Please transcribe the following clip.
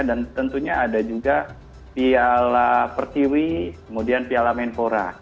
dan tentunya ada juga piala pertiwi kemudian piala menpora